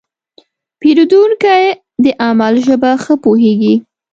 پیرودونکی د عمل ژبه ښه پوهېږي.